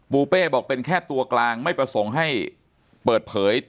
ูเป้บอกเป็นแค่ตัวกลางไม่ประสงค์ให้เปิดเผย